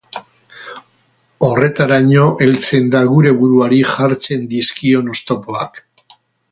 Horretaraino heltzen da gure buruari jartzen dizkion oztopoak.